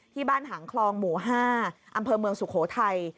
หางคลองหมู่๕อำเภอเมืองสุโขทัย